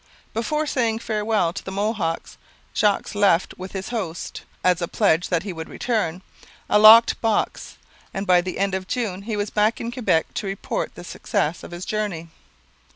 Before saying farewell to the Mohawks Jogues left with his hosts, as a pledge that he would return, a locked box; and by the end of June he was back in Quebec to report the success of his journey.